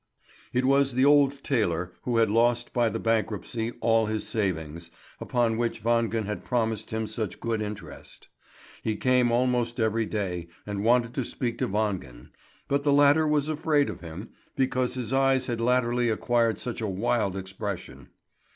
It was the old tailor, who had lost by the bankruptcy all his savings, upon which Wangen had promised him such good interest. He came almost every day and wanted to speak to Wangen; but the latter was afraid of him, because his eyes had latterly acquired such a wild expression.